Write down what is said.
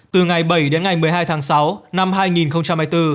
từ ngày bảy đến ngày một mươi hai tháng sáu năm hai nghìn hai mươi bốn